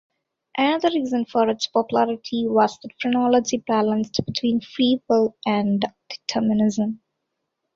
Another reason for its popularity was that phrenology balanced between free will and determinism.